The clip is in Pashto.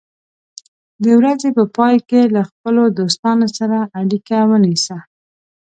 د ورځې په پای کې له خپلو دوستانو سره اړیکه ونیسه.